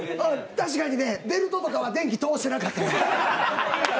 確かにベルトとかは電気通してなかったよ。